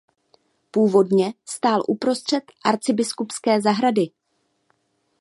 Původně stál uprostřed arcibiskupské zahrady.